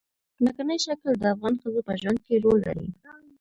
ځمکنی شکل د افغان ښځو په ژوند کې رول لري.